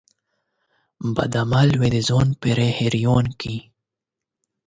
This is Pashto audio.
بد عمل به دي په ځان پوري حيران کړي